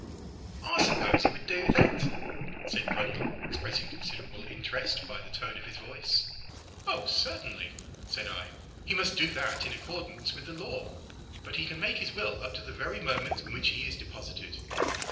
"I suppose he would do that," said Grundle, expressing considerable interest by the tone of his voice. "Oh, certainly," said I; "he must do that in accordance with the law. But he can make his will up to the very moment in which he is deposited."